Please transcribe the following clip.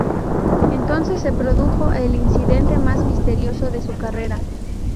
Entonces se produjo el incidente más misterioso de su carrera.